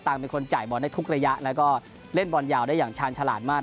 เป็นคนจ่ายบอลได้ทุกระยะแล้วก็เล่นบอลยาวได้อย่างชาญฉลาดมาก